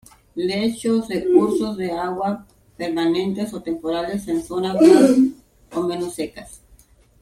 Lechos de cursos de agua permanentes o temporales en zonas más o menos secas.